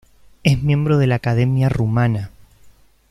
Es miembro de la Academia Rumana.